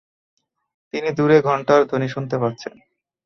তিনি দূরে ঘণ্টার ধ্বনি শুনতে পাচ্ছেন।